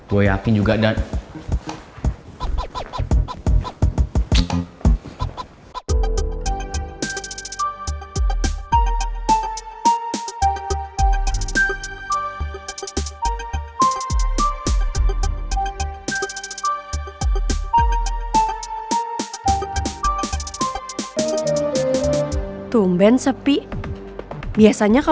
gue yakin juga dan